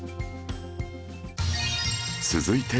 続いて